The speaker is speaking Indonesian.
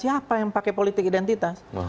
siapa yang pakai politik identitas